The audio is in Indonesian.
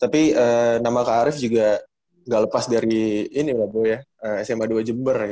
tapi nama kak arief juga gak lepas dari ini ya pak ya sma dua jeber ya pak ya